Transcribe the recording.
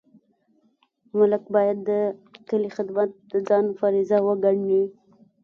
ملک باید د کلي خدمت د ځان فریضه وګڼي.